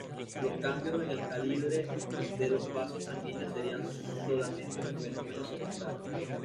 Los cambios en el calibre de los vasos sanguíneos serían solamente un fenómeno secundario.